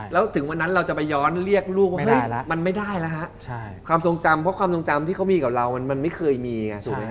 แล้วถึงวันนั้นเราจะไปย้อนเรียกลูกว่าแม่แล้วมันไม่ได้แล้วฮะความทรงจำเพราะความทรงจำที่เขามีกับเรามันไม่เคยมีไงถูกไหมฮ